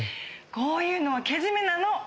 こういうのはけじめなの。